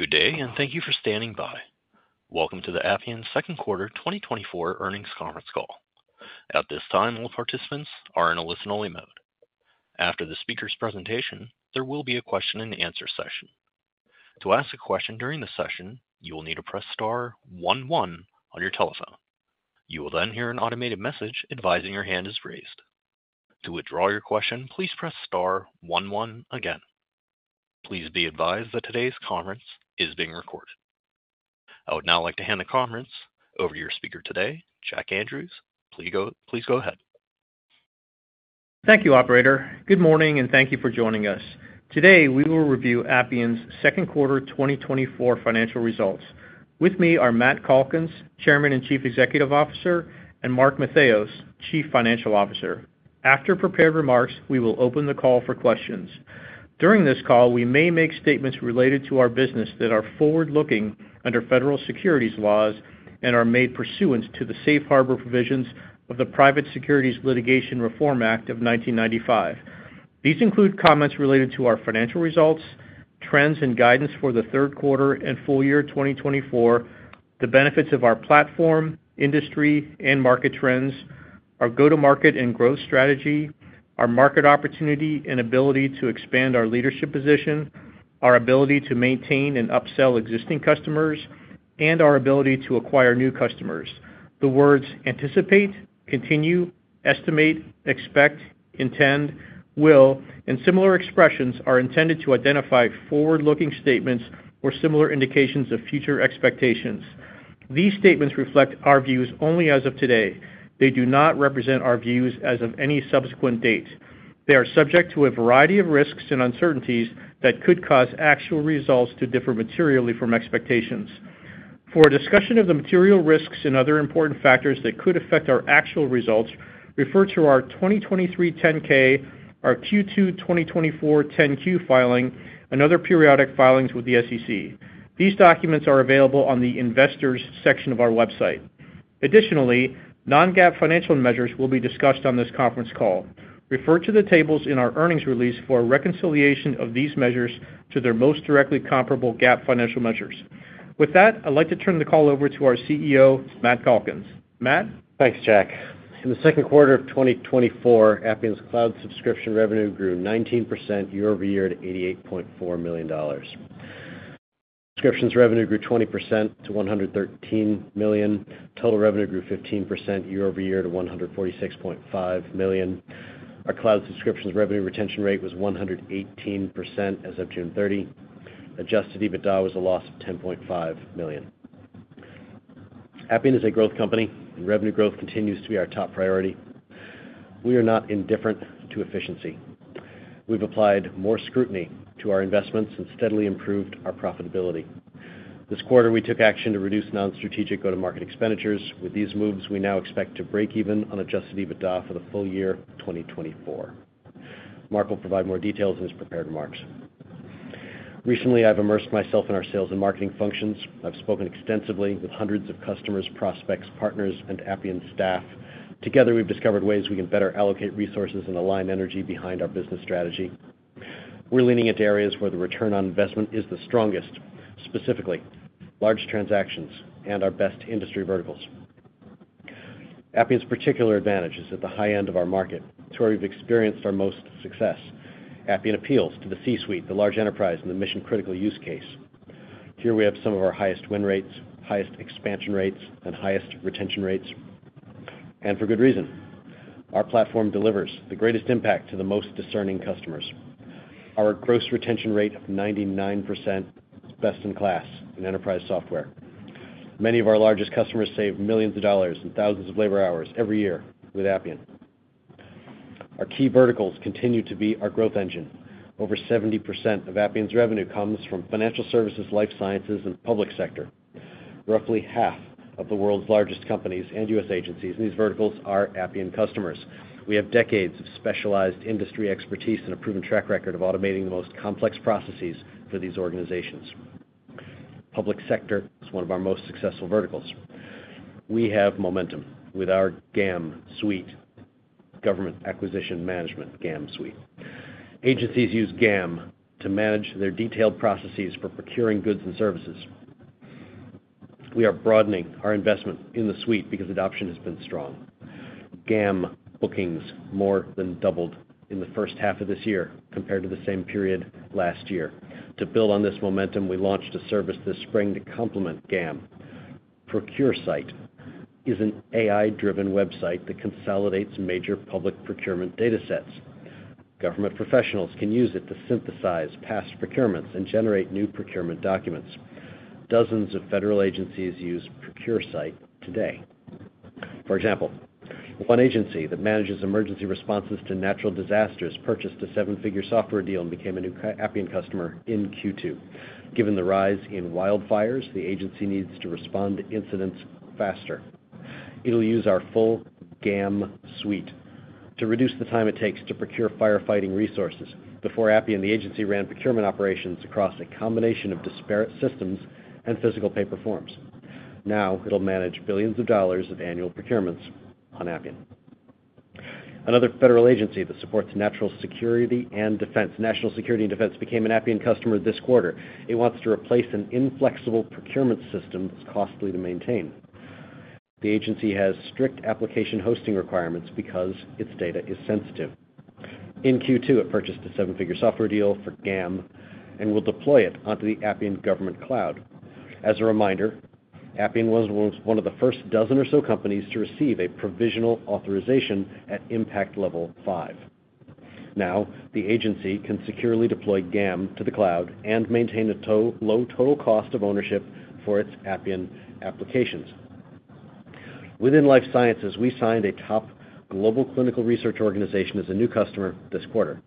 Good day, and thank you for standing by. Welcome to the Appian Second Quarter 2024 Earnings Conference Call. At this time, all participants are in a listen-only mode. After the speaker's presentation, there will be a question-and-answer session. To ask a question during the session, you will need to press star one one on your telephone. You will then hear an automated message advising your hand is raised. To withdraw your question, please press star one one again. Please be advised that today's conference is being recorded. I would now like to hand the conference over to your speaker today, Jack Andrews. Please go, please go ahead. Thank you, operator. Good morning, and thank you for joining us. Today, we will review Appian's second quarter 2024 financial results. With me are Matt Calkins, Chairman and Chief Executive Officer, and Mark Matheos, Chief Financial Officer. After prepared remarks, we will open the call for questions. During this call, we may make statements related to our business that are forward-looking under federal securities laws and are made pursuant to the Safe Harbor provisions of the Private Securities Litigation Reform Act of 1995. These include comments related to our financial results, trends and guidance for the third quarter and full year 2024, the benefits of our platform, industry and market trends, our go-to-market and growth strategy, our market opportunity and ability to expand our leadership position, our ability to maintain and upsell existing customers, and our ability to acquire new customers. The words anticipate, continue, estimate, expect, intend, will, and similar expressions are intended to identify forward-looking statements or similar indications of future expectations. These statements reflect our views only as of today. They do not represent our views as of any subsequent date. They are subject to a variety of risks and uncertainties that could cause actual results to differ materially from expectations. For a discussion of the material risks and other important factors that could affect our actual results, refer to our 2023 10-K, our Q2 2024 10-Q filing, and other periodic filings with the SEC. These documents are available on the Investors section of our website. Additionally, non-GAAP financial measures will be discussed on this conference call. Refer to the tables in our earnings release for a reconciliation of these measures to their most directly comparable GAAP financial measures. With that, I'd like to turn the call over to our CEO, Matt Calkins. Matt? Thanks, Jack. In the second quarter of 2024, Appian's cloud subscription revenue grew 19% year-over-year to $88.4 million. Subscriptions revenue grew 20% to $113 million. Total revenue grew 15% year-over-year to $146.5 million. Our cloud subscriptions revenue retention rate was 118% as of June 30. Adjusted EBITDA was a loss of $10.5 million. Appian is a growth company, and revenue growth continues to be our top priority. We are not indifferent to efficiency. We've applied more scrutiny to our investments and steadily improved our profitability. This quarter, we took action to reduce non-strategic go-to-market expenditures. With these moves, we now expect to break even on adjusted EBITDA for the full year 2024. Mark will provide more details in his prepared remarks. Recently, I've immersed myself in our sales and marketing functions. I've spoken extensively with hundreds of customers, prospects, partners, and Appian staff. Together, we've discovered ways we can better allocate resources and align energy behind our business strategy. We're leaning into areas where the return on investment is the strongest, specifically large transactions and our best industry verticals. Appian's particular advantage is at the high end of our market. It's where we've experienced our most success. Appian appeals to the C-suite, the large enterprise, and the mission-critical use case. Here we have some of our highest win rates, highest expansion rates, and highest retention rates, and for good reason. Our platform delivers the greatest impact to the most discerning customers. Our gross retention rate of 99% is best in class in enterprise software. Many of our largest customers save millions of dollars and thousands of labor hours every year with Appian. Our key verticals continue to be our growth engine. Over 70% of Appian's revenue comes from financial services, life sciences, and public sector. Roughly half of the world's largest companies and U.S. agencies, these verticals are Appian customers. We have decades of specialized industry expertise and a proven track record of automating the most complex processes for these organizations. Public sector is one of our most successful verticals. We have momentum with our GAM suite, Government Acquisition Management, GAM suite. Agencies use GAM to manage their detailed processes for procuring goods and services. We are broadening our investment in the suite because adoption has been strong. GAM bookings more than doubled in the first half of this year compared to the same period last year. To build on this momentum, we launched a service this spring to complement GAM. ProcureSight is an AI-driven website that consolidates major public procurement data sets. Government professionals can use it to synthesize past procurements and generate new procurement documents. Dozens of federal agencies use ProcureSight today. For example, one agency that manages emergency responses to natural disasters purchased a seven-figure software deal and became a new Appian customer in Q2. Given the rise in wildfires, the agency needs to respond to incidents faster. It'll use our full GAM suite to reduce the time it takes to procure firefighting resources. Before Appian, the agency ran procurement operations across a combination of disparate systems and physical paper forms. Now it'll manage billions of dollars of annual procurements on Appian. Another federal agency that supports national security and defense became an Appian customer this quarter. It wants to replace an inflexible procurement system that's costly to maintain. The agency has strict application hosting requirements because its data is sensitive. In Q2, it purchased a seven-figure software deal for GAM and will deploy it onto the Appian Government Cloud. As a reminder, Appian was one of the first dozen or so companies to receive a provisional authorization at Impact Level 5. Now, the agency can securely deploy GAM to the cloud and maintain a too-low total cost of ownership for its Appian applications. Within life sciences, we signed a top global clinical research organization as a new customer this quarter.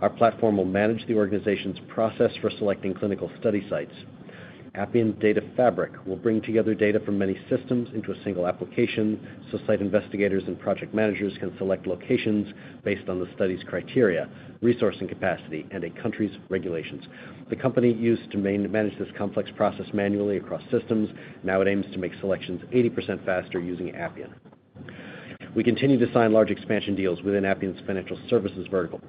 Our platform will manage the organization's process for selecting clinical study sites. Appian Data Fabric will bring together data from many systems into a single application, so site investigators and project managers can select locations based on the study's criteria, resourcing capacity, and a country's regulations. The company used to manage this complex process manually across systems. Now it aims to make selections 80% faster using Appian. We continue to sign large expansion deals within Appian's financial services vertical.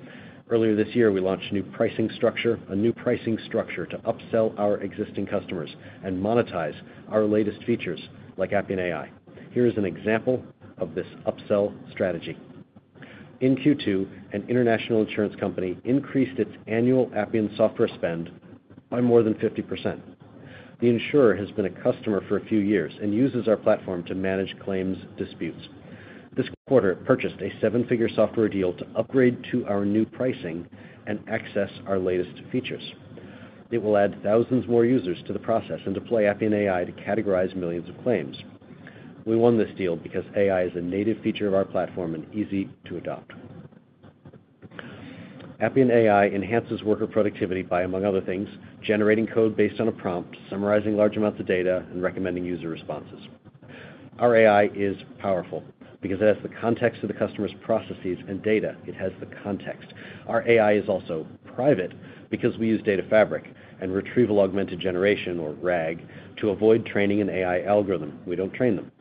Earlier this year, we launched a new pricing structure to upsell our existing customers and monetize our latest features, like Appian AI. Here's an example of this upsell strategy. In Q2, an international insurance company increased its annual Appian software spend by more than 50%. The insurer has been a customer for a few years and uses our platform to manage claims disputes. This quarter, it purchased a seven-figure software deal to upgrade to our new pricing and access our latest features. It will add thousands more users to the process and deploy Appian AI to categorize millions of claims. We won this deal because AI is a native feature of our platform and easy to adopt. Appian AI enhances worker productivity by, among other things, generating code based on a prompt, summarizing large amounts of data, and recommending user responses. Our AI is powerful because it has the context of the customer's processes and data. It has the context. Our AI is also private because we use data fabric and retrieval augmented generation, or RAG, to avoid training an AI algorithm. We don't train them.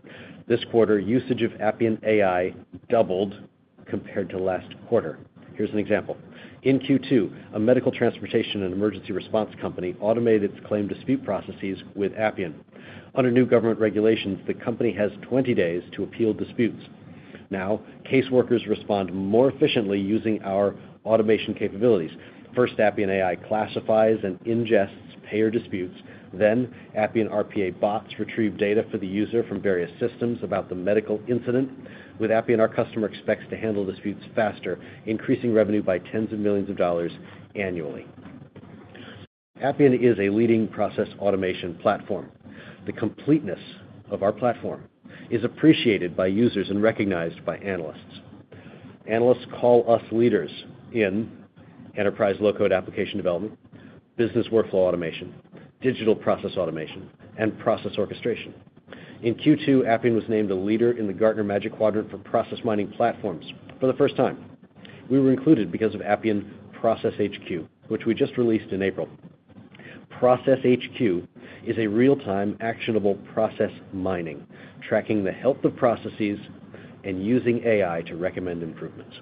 This quarter, usage of Appian AI doubled compared to last quarter. Here's an example. In Q2, a medical transportation and emergency response company automated its claim dispute processes with Appian. Under new government regulations, the company has 20 days to appeal disputes. Now, caseworkers respond more efficiently using our automation capabilities. First, Appian AI classifies and ingests payer disputes, then Appian RPA bots retrieve data for the user from various systems about the medical incident. With Appian, our customer expects to handle disputes faster, increasing revenue by tens of millions of dollars annually. Appian is a leading process automation platform. The completeness of our platform is appreciated by users and recognized by analysts. Analysts call us leaders in enterprise low-code application development, business workflow automation, digital process automation, and process orchestration. In Q2, Appian was named a leader in the Gartner Magic Quadrant for process mining platforms for the first time. We were included because of Appian Process HQ, which we just released in April. Process HQ is a real-time, actionable process mining, tracking the health of processes and using AI to recommend improvements.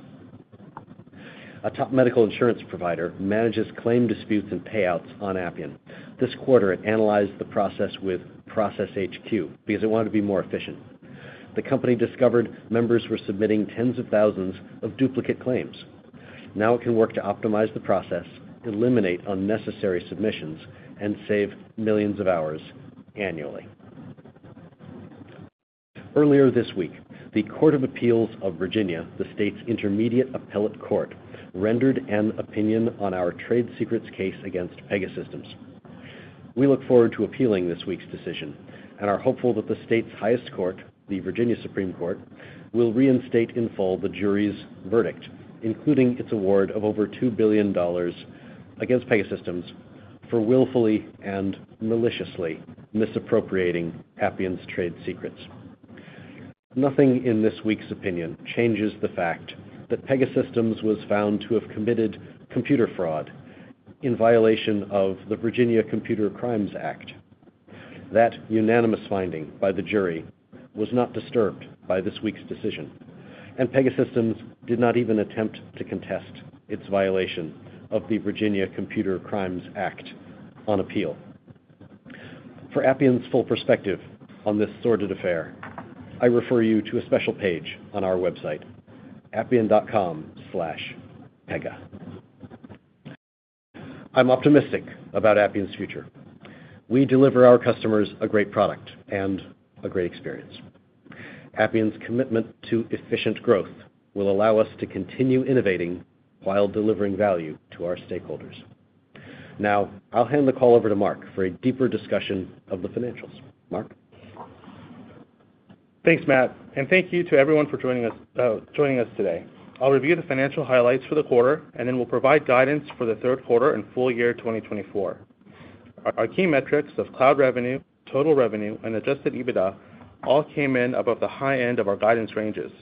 A top medical insurance provider manages claim disputes and payouts on Appian. This quarter, it analyzed the process with Process HQ because it wanted to be more efficient. The company discovered members were submitting tens of thousands of duplicate claims. Now it can work to optimize the process, eliminate unnecessary submissions, and save millions of hours annually. Earlier this week, the Court of Appeals of Virginia, the state's intermediate appellate court, rendered an opinion on our trade secrets case against Pegasystems. We look forward to appealing this week's decision and are hopeful that the state's highest court, the Virginia Supreme Court, will reinstate in full the jury's verdict, including its award of over $2 billion against Pegasystems for willfully and maliciously misappropriating Appian's trade secrets. Nothing in this week's opinion changes the fact that Pegasystems was found to have committed computer fraud in violation of the Virginia Computer Crimes Act. That unanimous finding by the jury was not disturbed by this week's decision, and Pegasystems did not even attempt to contest its violation of the Virginia Computer Crimes Act on appeal. For Appian's full perspective on this sordid affair, I refer you to a special page on our website, appian.com/pega. I'm optimistic about Appian's future. We deliver our customers a great product and a great experience. Appian's commitment to efficient growth will allow us to continue innovating while delivering value to our stakeholders. Now, I'll hand the call over to Mark for a deeper discussion of the financials. Mark? Thanks, Matt, and thank you to everyone for joining us today. I'll review the financial highlights for the quarter, and then we'll provide guidance for the third quarter and full year 2024. Our key metrics of cloud revenue, total revenue, and adjusted EBITDA all came in above the high end of our guidance ranges.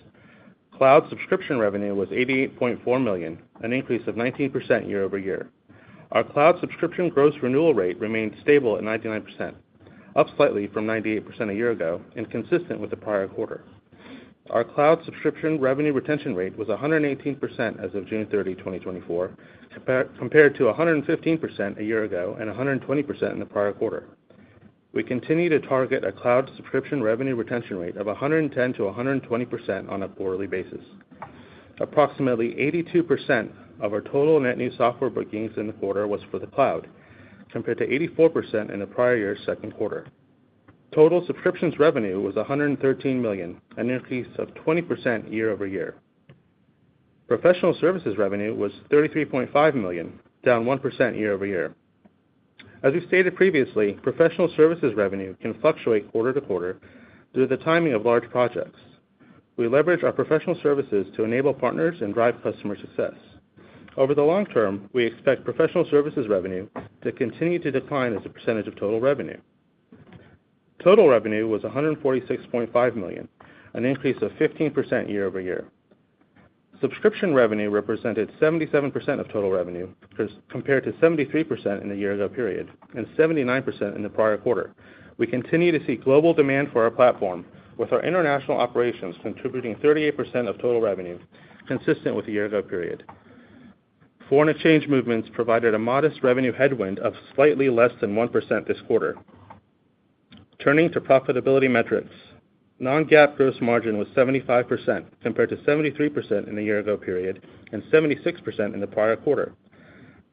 Cloud subscription revenue was $88.4 million, an increase of 19% year-over-year. Our cloud subscription gross renewal rate remained stable at 99%, up slightly from 98% a year ago, and consistent with the prior quarter. Our cloud subscription revenue retention rate was 118% as of June 30, 2024, compared to 115% a year ago, and 120% in the prior quarter. We continue to target a cloud subscription revenue retention rate of 110%-120% on a quarterly basis. Approximately 82% of our total net new software bookings in the quarter was for the cloud, compared to 84% in the prior year's second quarter. Total subscriptions revenue was $113 million, an increase of 20% year-over-year. Professional services revenue was $33.5 million, down 1% year-over-year. As we stated previously, professional services revenue can fluctuate quarter-to-quarter due to the timing of large projects. We leverage our professional services to enable partners and drive customer success. Over the long term, we expect professional services revenue to continue to decline as a percentage of total revenue. Total revenue was $146.5 million, an increase of 15% year-over-year. Subscription revenue represented 77% of total revenue, compared to 73% in the year ago period, and 79% in the prior quarter. We continue to see global demand for our platform, with our international operations contributing 38% of total revenue, consistent with the year ago period. Foreign exchange movements provided a modest revenue headwind of slightly less than 1% this quarter. Turning to profitability metrics. Non-GAAP gross margin was 75%, compared to 73% in the year ago period, and 76% in the prior quarter.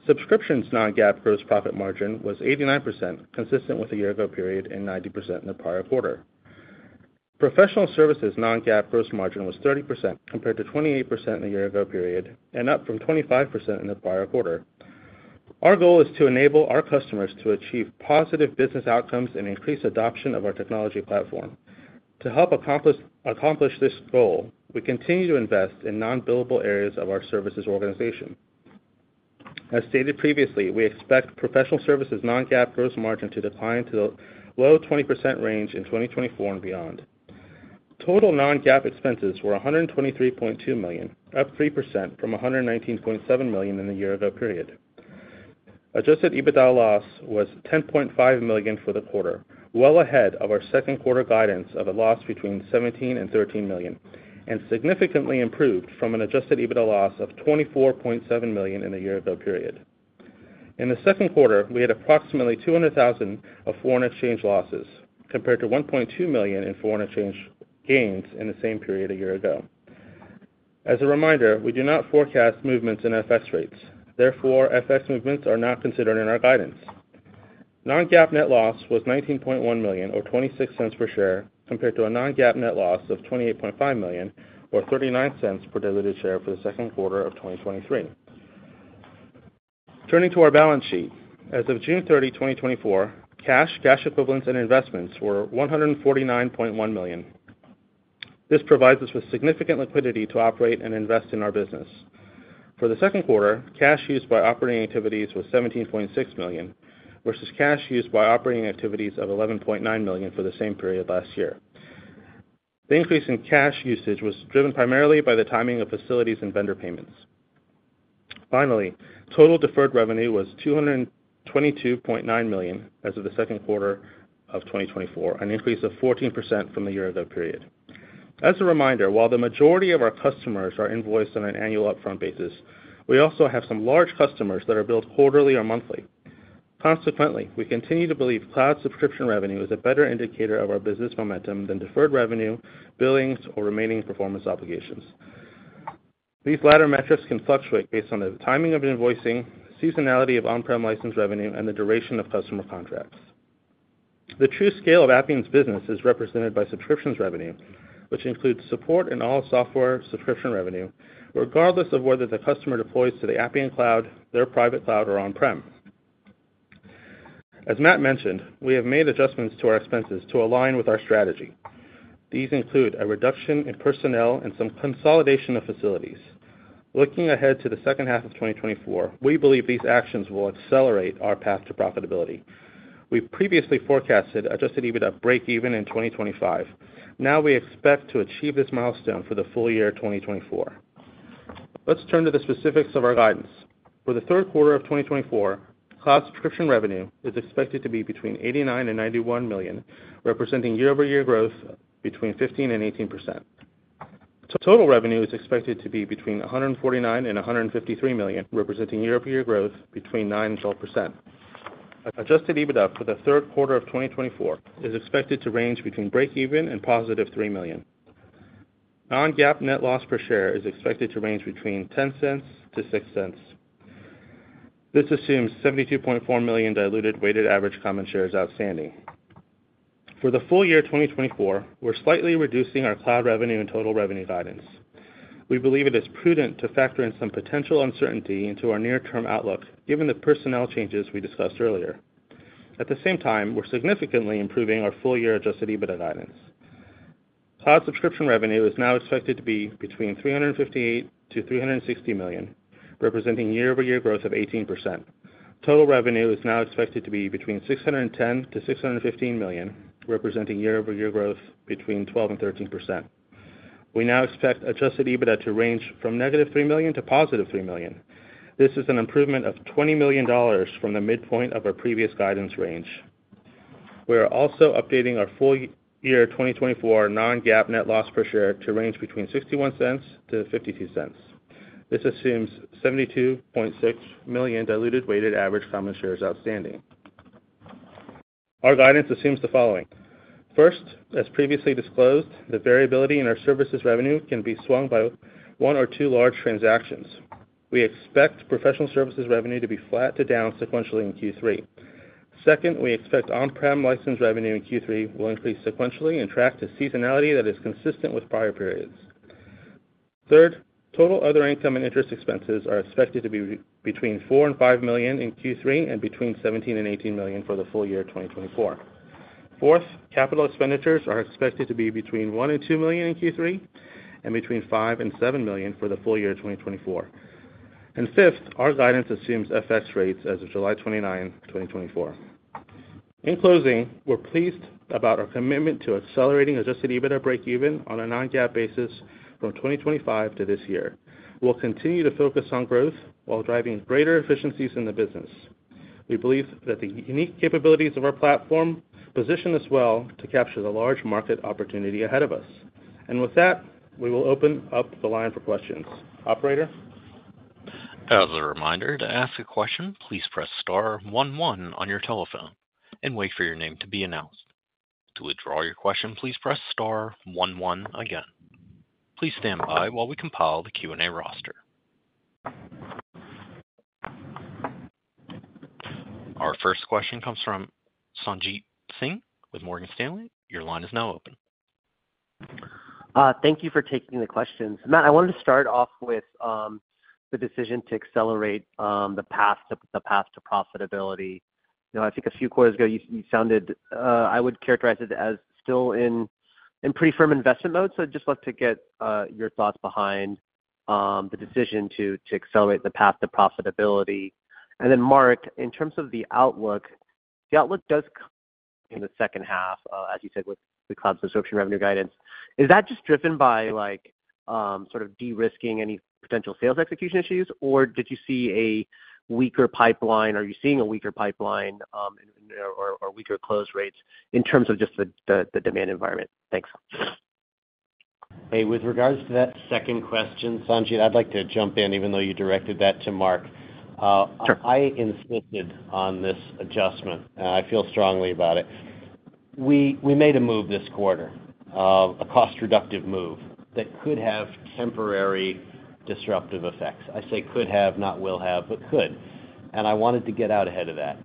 Subscriptions non-GAAP gross profit margin was 89%, consistent with the year ago period, and 90% in the prior quarter. Professional services non-GAAP gross margin was 30%, compared to 28% in the year ago period, and up from 25% in the prior quarter. Our goal is to enable our customers to achieve positive business outcomes and increase adoption of our technology platform. To help accomplish this goal, we continue to invest in non-billable areas of our services organization. As stated previously, we expect professional services non-GAAP gross margin to decline to the low 20% range in 2024 and beyond. Total non-GAAP expenses were $123.2 million, up 3% from $119.7 million in the year ago period. Adjusted EBITDA loss was $10.5 million for the quarter, well ahead of our second quarter guidance of a loss between $17 million and $13 million, and significantly improved from an adjusted EBITDA loss of $24.7 million in the year ago period. In the second quarter, we had approximately $200,000 of foreign exchange losses, compared to $1.2 million in foreign exchange gains in the same period a year ago. As a reminder, we do not forecast movements in FX rates, therefore, FX movements are not considered in our guidance. Non-GAAP net loss was $19.1 million, or $0.26 per share, compared to a non-GAAP net loss of $28.5 million, or $0.39 per diluted share for the second quarter of 2023. Turning to our balance sheet. As of June 30, 2024, cash, cash equivalents and investments were $149.1 million. This provides us with significant liquidity to operate and invest in our business. For the second quarter, cash used by operating activities was $17.6 million, versus cash used by operating activities of $11.9 million for the same period last year. The increase in cash usage was driven primarily by the timing of facilities and vendor payments. Finally, total deferred revenue was $222.9 million as of the second quarter of 2024, an increase of 14% from the year-ago period. As a reminder, while the majority of our customers are invoiced on an annual upfront basis, we also have some large customers that are billed quarterly or monthly. Consequently, we continue to believe cloud subscription revenue is a better indicator of our business momentum than deferred revenue, billings, or remaining performance obligations. These latter metrics can fluctuate based on the timing of invoicing, seasonality of on-prem license revenue, and the duration of customer contracts. The true scale of Appian's business is represented by subscription revenue, which includes support and all software subscription revenue, regardless of whether the customer deploys to the Appian cloud, their private cloud, or on-prem. As Matt mentioned, we have made adjustments to our expenses to align with our strategy. These include a reduction in personnel and some consolidation of facilities. Looking ahead to the second half of 2024, we believe these actions will accelerate our path to profitability. We previously forecasted Adjusted EBITDA breakeven in 2025. Now we expect to achieve this milestone for the full year 2024. Let's turn to the specifics of our guidance. For the third quarter of 2024, cloud subscription revenue is expected to be between $89 million and $91 million, representing year-over-year growth between 15% and 18%. Total revenue is expected to be between $149 million and $153 million, representing year-over-year growth between 9% and 12%. Adjusted EBITDA for the third quarter of 2024 is expected to range between break even and $3 million. Non-GAAP net loss per share is expected to range between $0.10-$0.06. This assumes 72.4 million diluted weighted average common shares outstanding. For the full year 2024, we're slightly reducing our cloud revenue and total revenue guidance. We believe it is prudent to factor in some potential uncertainty into our near-term outlook, given the personnel changes we discussed earlier. At the same time, we're significantly improving our full-year Adjusted EBITDA guidance. Cloud subscription revenue is now expected to be between $358 million-$360 million, representing year-over-year growth of 18%. Total revenue is now expected to be between $610 million-$615 million, representing year-over-year growth between 12% and 13%.... We now expect Adjusted EBITDA to range from negative $3 million to positive $3 million. This is an improvement of $20 million from the midpoint of our previous guidance range. We are also updating our full year 2024 non-GAAP net loss per share to range between $0.61-$0.52. This assumes 72.6 million diluted weighted average common shares outstanding. Our guidance assumes the following: First, as previously disclosed, the variability in our services revenue can be swung by one or two large transactions. We expect professional services revenue to be flat to down sequentially in Q3. Second, we expect on-prem license revenue in Q3 will increase sequentially and track to seasonality that is consistent with prior periods. Third, total other income and interest expenses are expected to be between $4 million and $5 million in Q3 and between $17 million and $18 million for the full year 2024. Fourth, capital expenditures are expected to be between $1 million and $2 million in Q3 and between $5 million and $7 million for the full year 2024. And fifth, our guidance assumes FX rates as of July 29, 2024. In closing, we're pleased about our commitment to accelerating adjusted EBITDA breakeven on a non-GAAP basis from 2025 to this year. We'll continue to focus on growth while driving greater efficiencies in the business. We believe that the unique capabilities of our platform position us well to capture the large market opportunity ahead of us. And with that, we will open up the line for questions. Operator? As a reminder, to ask a question, please press star one one on your telephone and wait for your name to be announced. To withdraw your question, please press star one one again. Please stand by while we compile the Q&A roster. Our first question comes from Sanjit Singh with Morgan Stanley. Your line is now open. Thank you for taking the questions. Matt, I wanted to start off with the decision to accelerate the path to profitability. You know, I think a few quarters ago, you sounded I would characterize it as still in pretty firm investment mode. So I'd just like to get your thoughts behind the decision to accelerate the path to profitability. And then, Mark, in terms of the outlook, the outlook does in the second half, as you said, with the cloud subscription revenue guidance. Is that just driven by, like, sort of de-risking any potential sales execution issues, or did you see a weaker pipeline? Are you seeing a weaker pipeline, or weaker close rates in terms of just the demand environment? Thanks. Hey, with regards to that second question, Sanjit, I'd like to jump in, even though you directed that to Mark. Sure. I insisted on this adjustment, and I feel strongly about it. We made a move this quarter, a cost-reductive move that could have temporary disruptive effects. I say could have, not will have, but could, and I wanted to get out ahead of that.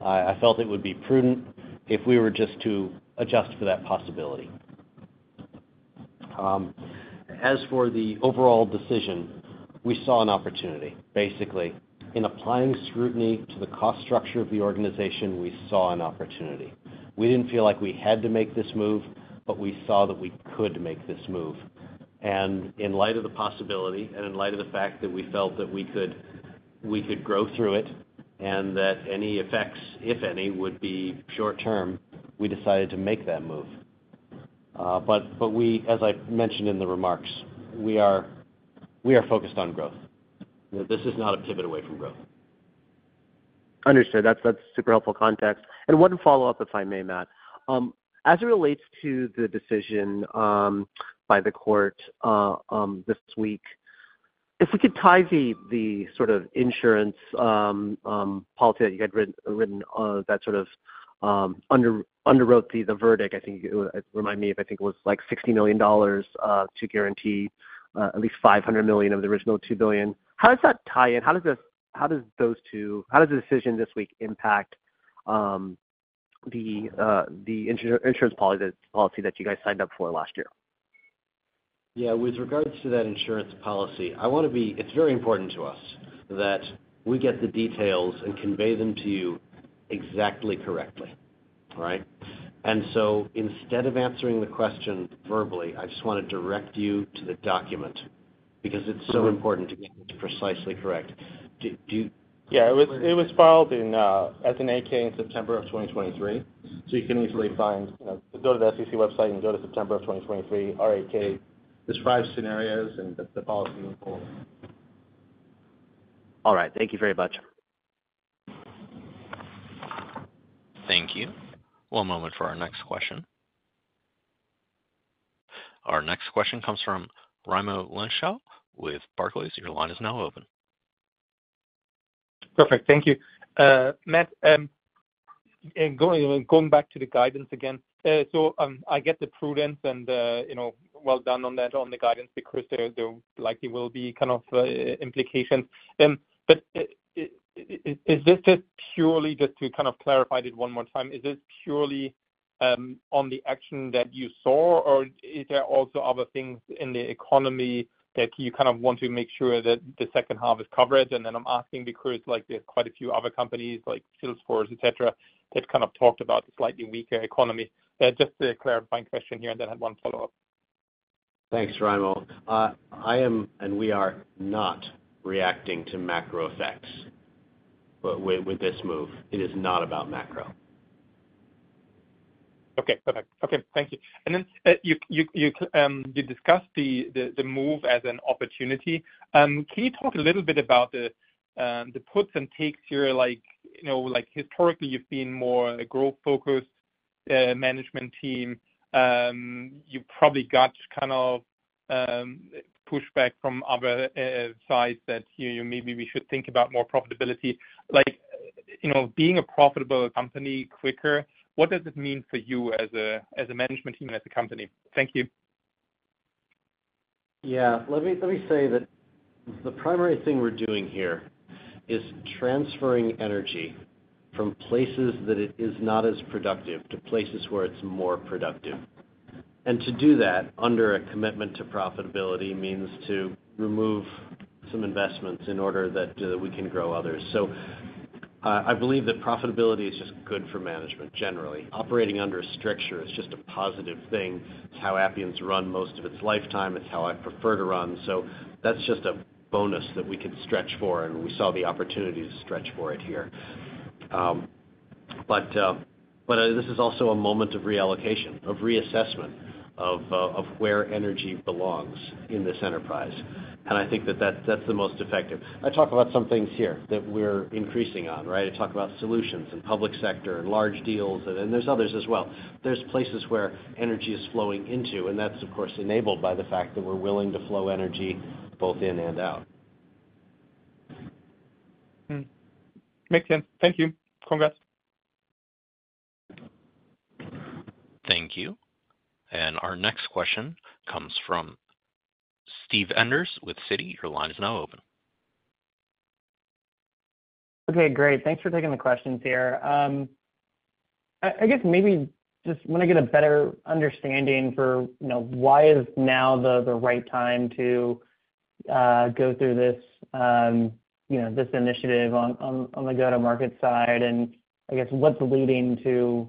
I felt it would be prudent if we were just to adjust for that possibility. As for the overall decision, we saw an opportunity, basically. In applying scrutiny to the cost structure of the organization, we saw an opportunity. We didn't feel like we had to make this move, but we saw that we could make this move. And in light of the possibility and in light of the fact that we felt that we could grow through it and that any effects, if any, would be short term, we decided to make that move. But, as I mentioned in the remarks, we are focused on growth. You know, this is not a pivot away from growth. Understood. That's, that's super helpful context. And one follow-up, if I may, Matt. As it relates to the decision by the court this week, if we could tie the, the sort of insurance policy that you had written, written, that sort of underwrote the verdict, I think it remind me of, I think it was like $60 million to guarantee at least $500 million of the original $2 billion. How does that tie in? How does this-- how does those two-- how does the decision this week impact the insurance policy that you guys signed up for last year? Yeah, with regards to that insurance policy, I wanna be... It's very important to us that we get the details and convey them to you exactly correctly, all right? And so instead of answering the question verbally, I just want to direct you to the document, because it's so important to get it precisely correct. Do you- Yeah, it was, it was filed in as an 8-K in September 2023, so you can easily find, you know, go to the SEC website and go to September 2023, our 8-K. Describe scenarios and the policy involved. All right. Thank you very much. Thank you. One moment for our next question. Our next question comes from Raimo Lenschow with Barclays. Your line is now open. Perfect. Thank you. Matt, going back to the guidance again. So, I get the prudence and, you know, well done on that, on the guidance, because there likely will be kind of implications. But, is this just purely just to kind of clarify it one more time, is this purely on the action that you saw, or is there also other things in the economy that you kind of want to make sure that the second half is covered? And then I'm asking because, like, there's quite a few other companies like Salesforce, et cetera, that kind of talked about slightly weaker economy. Just a clarifying question here, and then I have one follow-up. Thanks, Raimo. I am, and we are not reacting to macro effects, but with this move, it is not about macro.... Okay, perfect. Okay, thank you. And then, you discussed the move as an opportunity. Can you talk a little bit about the puts and takes here? Like, you know, like, historically, you've been more a growth-focused management team. You probably got kind of pushback from other sides that you, maybe we should think about more profitability. Like, you know, being a profitable company quicker, what does it mean for you as a management team and as a company? Thank you. Yeah, let me, let me say that the primary thing we're doing here is transferring energy from places that it is not as productive to places where it's more productive. And to do that, under a commitment to profitability, means to remove some investments in order that we can grow others. So, I believe that profitability is just good for management, generally. Operating under a stricture is just a positive thing. It's how Appian's run most of its lifetime. It's how I prefer to run, so that's just a bonus that we could stretch for, and we saw the opportunity to stretch for it here. But, but, this is also a moment of reallocation, of reassessment, of, of where energy belongs in this enterprise. And I think that that's, that's the most effective. I talk about some things here that we're increasing on, right? I talk about solutions and public sector and large deals, and then there's others as well. There's places where energy is flowing into, and that's, of course, enabled by the fact that we're willing to flow energy both in and out. Hmm, makes sense. Thank you. Congress. Thank you. And our next question comes from Steve Enders with Citi. Your line is now open. Okay, great. Thanks for taking the questions here. I guess maybe just want to get a better understanding for, you know, why is now the right time to go through this, you know, this initiative on the go-to-market side? And I guess, what's leading to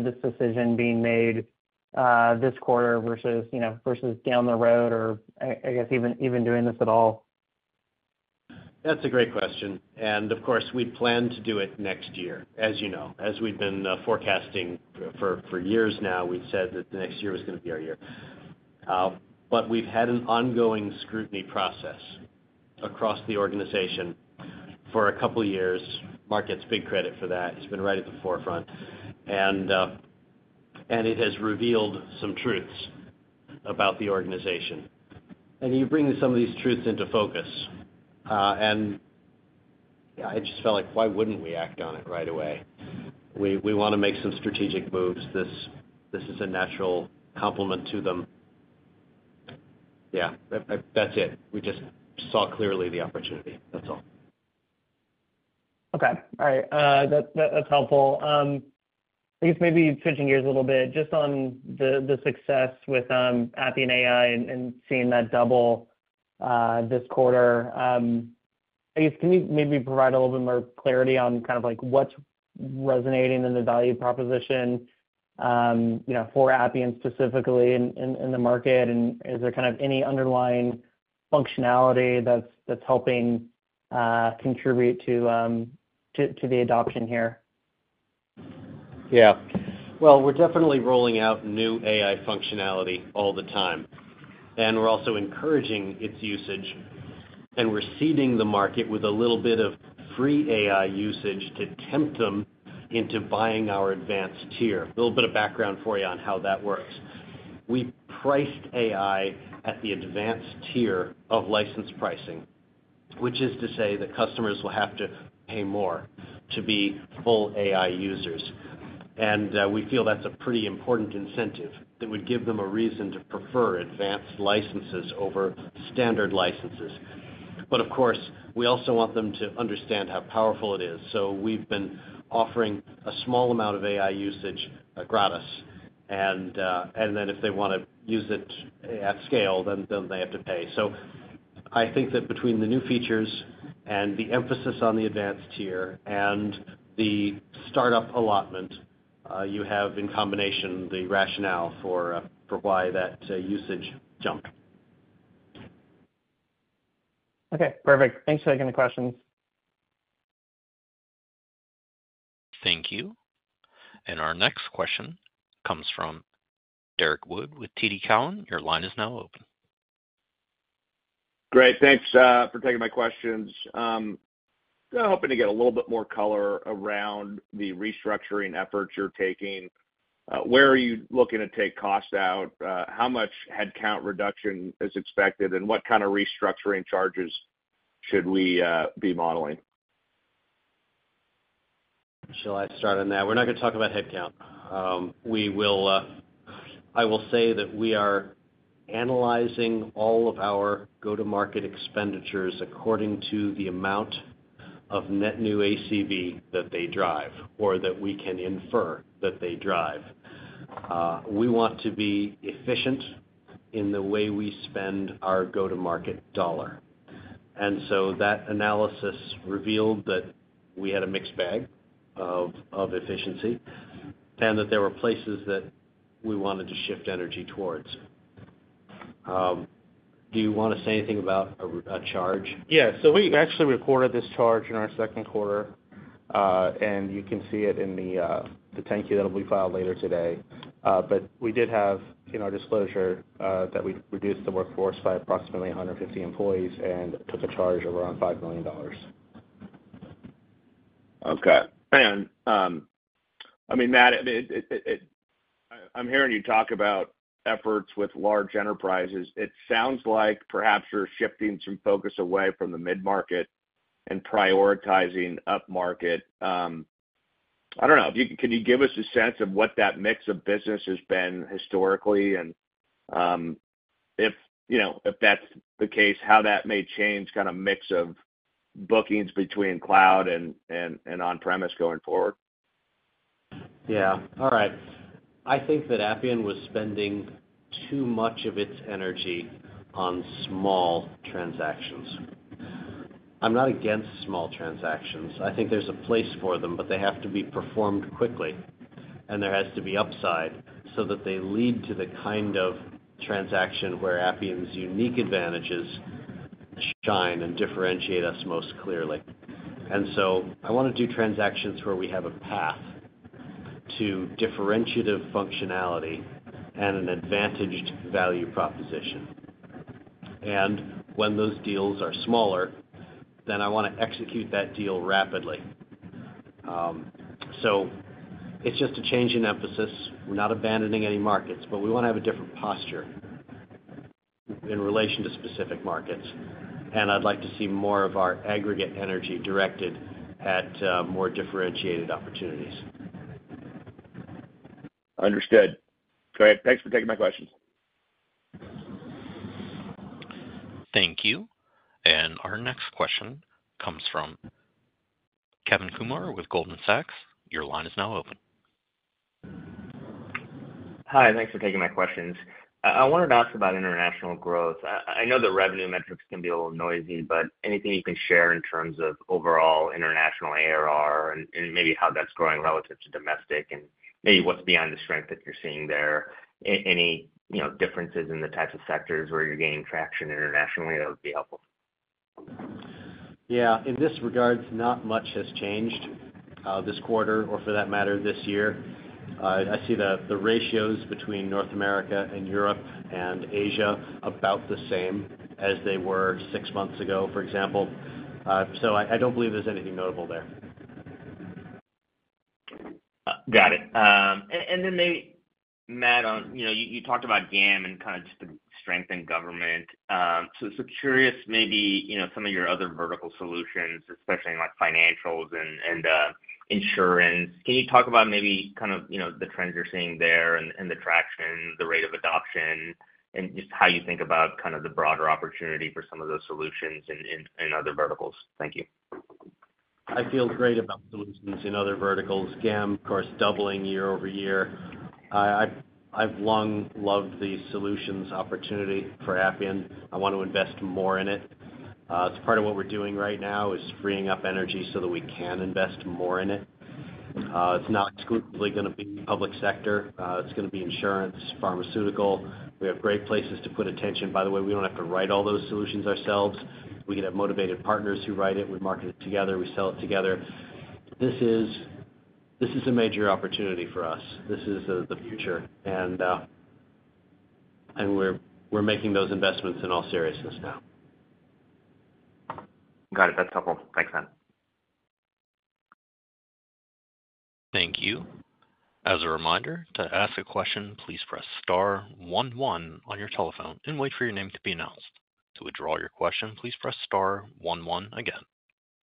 this decision being made, this quarter versus, you know, versus down the road or, I guess, even doing this at all? That's a great question. And of course, we plan to do it next year, as you know. As we've been forecasting for years now, we've said that the next year was going to be our year. But we've had an ongoing scrutiny process across the organization for a couple of years. Mark gets big credit for that. He's been right at the forefront. And it has revealed some truths about the organization, and he brings some of these truths into focus. And I just felt like, why wouldn't we act on it right away? We want to make some strategic moves. This is a natural complement to them. Yeah, that's it. We just saw clearly the opportunity. That's all. Okay. All right. That, that's helpful. I guess maybe switching gears a little bit, just on the, the success with, Appian AI and, and seeing that double, this quarter, I guess, can you maybe provide a little bit more clarity on kind of like, what's resonating in the value proposition, you know, for Appian, specifically in, in, in the market? And is there kind of any underlying functionality that's, that's helping, contribute to, to, to the adoption here? Yeah. Well, we're definitely rolling out new AI functionality all the time, and we're also encouraging its usage, and we're seeding the market with a little bit of free AI usage to tempt them into buying our advanced tier. A little bit of background for you on how that works: We priced AI at the advanced tier of license pricing, which is to say that customers will have to pay more to be full AI users. And we feel that's a pretty important incentive that would give them a reason to prefer advanced licenses over standard licenses. But of course, we also want them to understand how powerful it is, so we've been offering a small amount of AI usage, gratis, and then if they want to use it at scale, then they have to pay. I think that between the new features and the emphasis on the advanced tier and the startup allotment, you have, in combination, the rationale for why that usage jumped. Okay, perfect. Thanks for taking the questions. Thank you. Our next question comes from Derrick Wood with TD Cowen. Your line is now open. Great. Thanks, for taking my questions. Hoping to get a little bit more color around the restructuring efforts you're taking. Where are you looking to take costs out? How much headcount reduction is expected, and what kind of restructuring charges should we be modeling? Shall I start on that? We're not going to talk about headcount. We will, I will say that we are analyzing all of our go-to-market expenditures according to the amount of net new ACV that they drive or that we can infer that they drive. We want to be efficient in the way we spend our go-to-market dollar. And so that analysis revealed that we had a mixed bag of, of efficiency and that there were places that we wanted to shift energy towards.... Do you want to say anything about a charge? Yeah. So we actually recorded this charge in our second quarter, and you can see it in the 10-K that'll be filed later today. But we did have in our disclosure that we reduced the workforce by approximately 150 employees and took a charge of around $5 million. Okay. And, I mean, Matt, I'm hearing you talk about efforts with large enterprises. It sounds like perhaps you're shifting some focus away from the mid-market and prioritizing upmarket. I don't know. Can you give us a sense of what that mix of business has been historically? And, you know, if that's the case, how that may change kind of mix of bookings between cloud and on-premise going forward? Yeah. All right. I think that Appian was spending too much of its energy on small transactions. I'm not against small transactions. I think there's a place for them, but they have to be performed quickly, and there has to be upside, so that they lead to the kind of transaction where Appian's unique advantages shine and differentiate us most clearly. And so I want to do transactions where we have a path to differentiative functionality and an advantaged value proposition. And when those deals are smaller, then I want to execute that deal rapidly. So it's just a change in emphasis. We're not abandoning any markets, but we want to have a different posture in relation to specific markets. And I'd like to see more of our aggregate energy directed at, more differentiated opportunities. Understood. Great. Thanks for taking my questions. Thank you. Our next question comes from Kevin Kumar with Goldman Sachs. Your line is now open. Hi, thanks for taking my questions. I wanted to ask about international growth. I know the revenue metrics can be a little noisy, but anything you can share in terms of overall international ARR and maybe how that's growing relative to domestic, and maybe what's beyond the strength that you're seeing there? Any, you know, differences in the types of sectors where you're gaining traction internationally, that would be helpful. Yeah, in this regard, not much has changed this quarter or for that matter, this year. I see the ratios between North America and Europe and Asia about the same as they were six months ago, for example. So I don't believe there's anything notable there. Got it. And then maybe, Matt, on, you know, you talked about GAM and kind of just the strength in government. So curious, maybe, you know, some of your other vertical solutions, especially in, like, financials and insurance. Can you talk about maybe kind of, you know, the trends you're seeing there and the traction, the rate of adoption, and just how you think about kind of the broader opportunity for some of those solutions in other verticals? Thank you. I feel great about solutions in other verticals. GAM, of course, doubling year over year. I've long loved the solutions opportunity for Appian. I want to invest more in it. It's part of what we're doing right now is freeing up energy so that we can invest more in it. It's not exclusively going to be public sector. It's going to be insurance, pharmaceutical. We have great places to put attention. By the way, we don't have to write all those solutions ourselves. We can have motivated partners who write it. We market it together. We sell it together. This is, this is a major opportunity for us. This is the future, and we're making those investments in all seriousness now. Got it. That's helpful. Thanks, Matt. Thank you. As a reminder, to ask a question, please press star one, one on your telephone and wait for your name to be announced. To withdraw your question, please press star one, one again.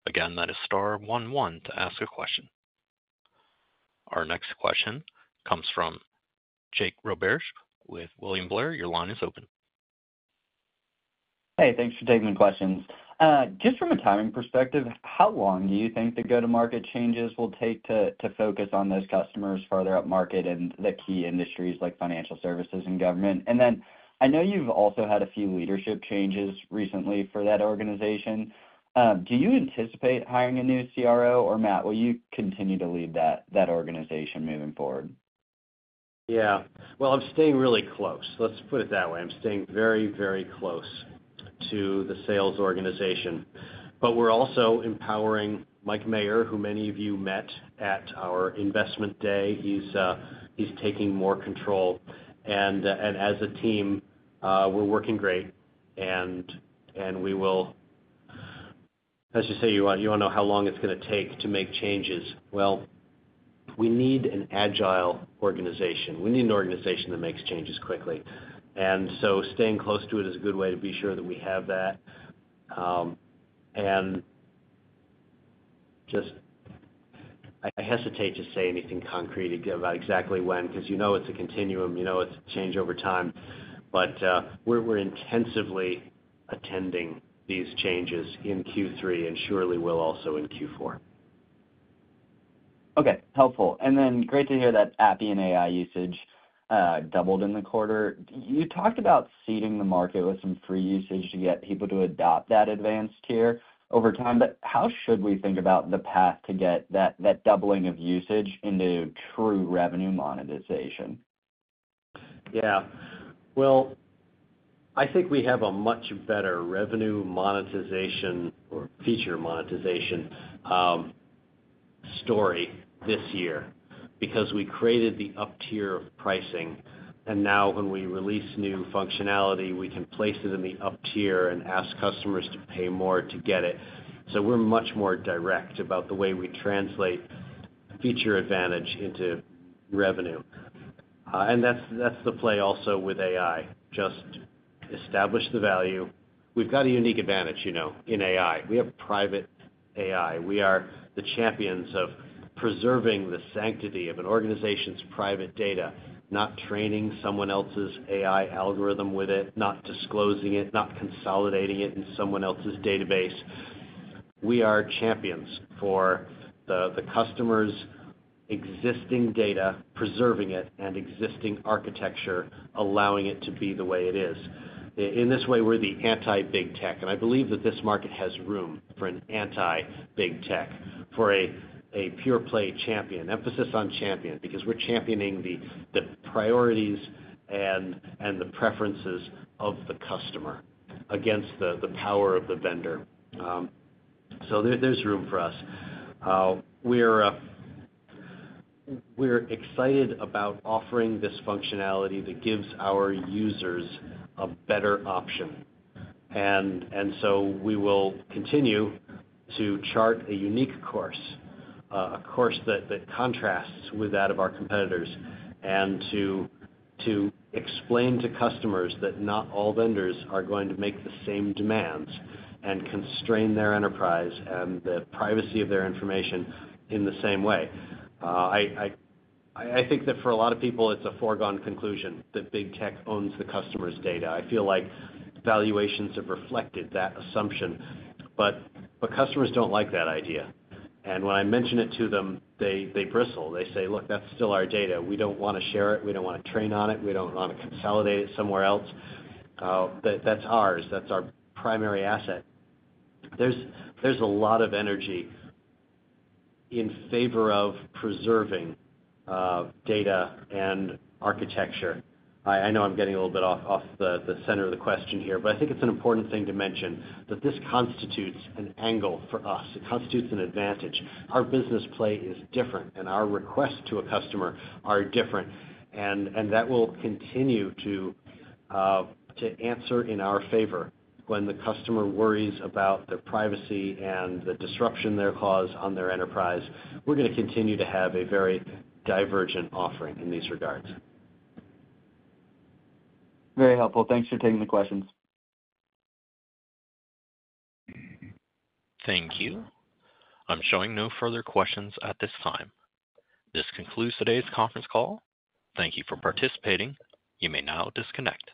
Again, that is star one, one to ask a question. Our next question comes from Jake Roberge with William Blair. Your line is open. Hey, thanks for taking the questions. Just from a timing perspective, how long do you think the go-to-market changes will take to focus on those customers farther upmarket and the key industries like financial services and government? And then, I know you've also had a few leadership changes recently for that organization. Do you anticipate hiring a new CRO, or Matt, will you continue to lead that organization moving forward? Yeah. Well, I'm staying really close. Let's put it that way. I'm staying very, very close to the sales organization. But we're also empowering Mike Mayer, who many of you met at our investment day. He's, he's taking more control, and, and as a team, we're working great, and, and we will... Let's just say, you, you want to know how long it's going to take to make changes. Well, we need an agile organization. We need an organization that makes changes quickly, and so staying close to it is a good way to be sure that we have that. And just, I hesitate to say anything concrete about exactly when, because you know it's a continuum, you know it's a change over time. But, we're, we're intensively attending these changes in Q3 and surely will also in Q4. Okay, helpful. And then great to hear that Appian AI usage doubled in the quarter. You talked about seeding the market with some free usage to get people to adopt that advanced tier over time, but how should we think about the path to get that doubling of usage into true revenue monetization?... Yeah. Well, I think we have a much better revenue monetization or feature monetization story this year, because we created the up-tier pricing, and now when we release new functionality, we can place it in the up-tier and ask customers to pay more to get it. So we're much more direct about the way we translate feature advantage into revenue. And that's the play also with AI, just establish the value. We've got a unique advantage, you know, in AI. We have private AI. We are the champions of preserving the sanctity of an organization's private data, not training someone else's AI algorithm with it, not disclosing it, not consolidating it in someone else's database. We are champions for the customer's existing data, preserving it, and existing architecture, allowing it to be the way it is. In this way, we're the anti-big tech, and I believe that this market has room for an anti-big tech, for a, a pure play champion, emphasis on champion, because we're championing the, the priorities and, and the preferences of the customer against the, the power of the vendor. So there, there's room for us. We're, we're excited about offering this functionality that gives our users a better option. And, and so we will continue to chart a unique course, a course that, that contrasts with that of our competitors, and to, to explain to customers that not all vendors are going to make the same demands and constrain their enterprise and the privacy of their information in the same way. I, I, I think that for a lot of people, it's a foregone conclusion that big tech owns the customer's data. I feel like valuations have reflected that assumption, but customers don't like that idea. And when I mention it to them, they bristle. They say, "Look, that's still our data. We don't wanna share it. We don't wanna train on it. We don't wanna consolidate it somewhere else. That's ours. That's our primary asset." There's a lot of energy in favor of preserving data and architecture. I know I'm getting a little bit off the center of the question here, but I think it's an important thing to mention that this constitutes an angle for us. It constitutes an advantage. Our business play is different, and our requests to a customer are different. And that will continue to answer in our favor when the customer worries about their privacy and the disruption they'll cause on their enterprise. We're gonna continue to have a very divergent offering in these regards. Very helpful. Thanks for taking the questions. Thank you. I'm showing no further questions at this time. This concludes today's conference call. Thank you for participating. You may now disconnect.